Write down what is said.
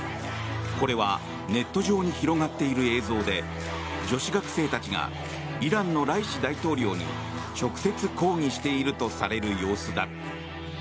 これはネット上に広がっている映像で女子学生たちがイランのライシ大統領に直接、抗議しているとされる様子だ。